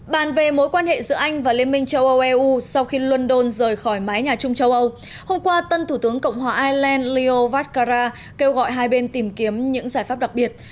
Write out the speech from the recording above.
bàn về mối quan hệ giữa anh và liên minh châu âu eu sau khi london rời khỏi mái nhà chung châu âu hôm qua tân thủ tướng cộng hòa ireland leeo vatkara kêu gọi hai bên tìm kiếm những giải pháp đặc biệt